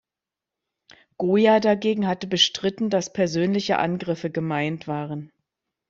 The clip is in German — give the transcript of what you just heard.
Goya dagegen hatte bestritten, dass persönliche Angriffe gemeint waren.